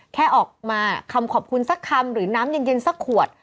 แค่ออกมาคำขอบคุณสักคำหรือน้ำเย็นสักขวด